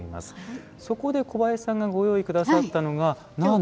そこで小林さんがご用意くださったのが、なんと。